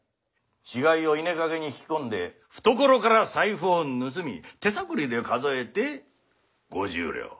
死骸を稲かけに引き込んで懐から財布を盗み手探りで数えて「５０両」。